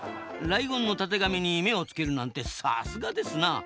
ライオンのたてがみに目をつけるなんてさすがですな！